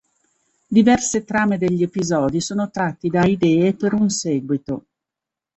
Diverse trame degli episodi sono tratte da idee per un seguito.